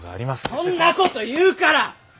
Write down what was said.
そんなこと言うから！